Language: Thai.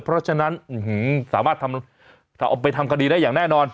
เพราะฉะนั้นสามารถเอาไปทำคดีได้อย่างแน่นอน